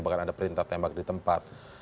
bahkan ada perintah tembak di tempat